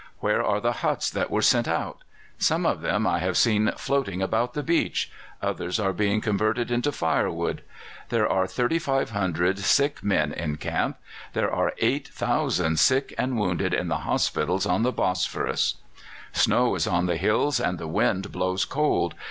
Where are the huts that were sent out? Some of them I have seen floating about the beach; others are being converted into firewood. There are 3,500 sick men in camp; there are 8,000 sick and wounded in the hospitals on the Bosphorus. "Snow is on the hills, and the wind blows cold.